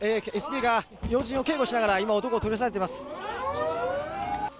ＳＰが要人を警護しながら男を取り押さえています。